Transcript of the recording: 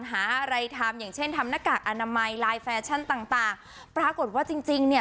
หารายทำอย่างเช่นทำหน้ากากอาธิบายลายแฟชั่นต่างปรากฏว่าจริงเนี่ย